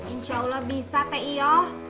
insya allah bisa teh iya